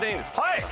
はい！